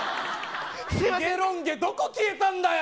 ひげロン毛どこ消えたんだよ。